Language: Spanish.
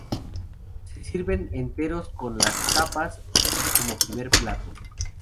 Se sirven enteros con las "tapas" como primer plato.